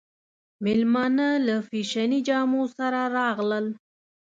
مېلمانه له فېشني جامو سره راغلل.